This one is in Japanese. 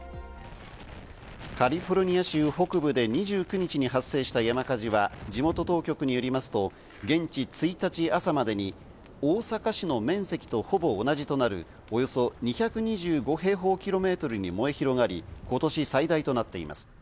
カリフォルニア州北部で２９日に発生した山火事は、地元当局によりますと、現地１日朝までに大阪市の面積とほぼ同じとなるおよそ２２５平方キロメートルに燃え広がり、今年最大となっています。